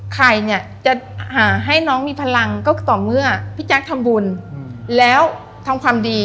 ใครเนี่ยจะหาให้น้องมีพลังก็คือต่อเมื่อพี่แจ๊คทำบุญแล้วทำความดี